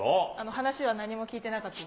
話は何も聞いてなかったです。